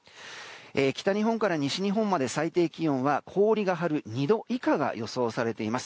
北日本から西日本まで最低気温は氷が張る２度以下が予想されています。